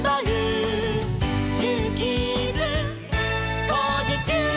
「ジューキーズ」「こうじちゅう！」